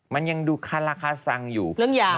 มันยังดูฆ่าละฆ่าซังอยู่